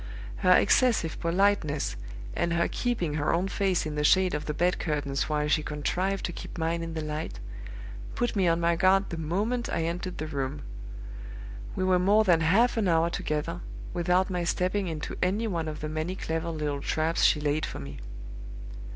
Her excessive politeness, and her keeping her own face in the shade of the bed curtains while she contrived to keep mine in the light, put me on my guard the moment I entered the room. We were more than half an hour together, without my stepping into any one of the many clever little traps she laid for me.